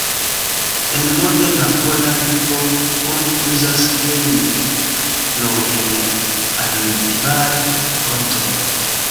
En moderna pola lingvo oni uzas ilin nur en alilingvaj vortoj.